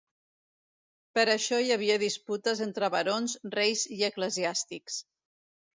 Per això hi havia disputes entre barons, reis i eclesiàstics.